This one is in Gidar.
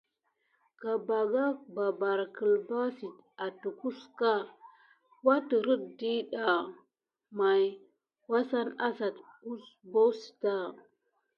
Gabaga ɓɑɓɑrɑ kelba site ototuhe nà wature kusuhobi kasa maylni wukedé hubosita.